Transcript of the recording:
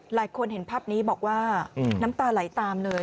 หลายคนเห็นภาพนี้บอกว่าน้ำตาไหลตามเลย